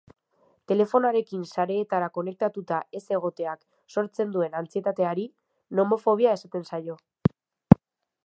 Telefonoarekin sareetara konektatuta ez egoteak sortzen duen antsietateari nomofobia esaten zaio.